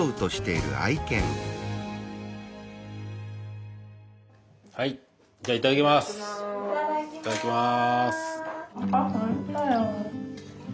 いただきます。